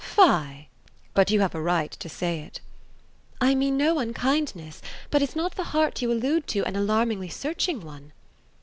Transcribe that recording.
"Fie! But you have a right to say it." "I mean no unkindness; but is not the heart you allude to an alarmingly searching one?"